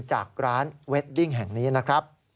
หนูก็เลยจะขอ